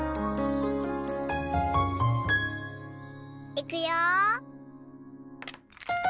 いくよ。